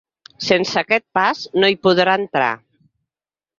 Sense aquest pas, no hi podrà entrar.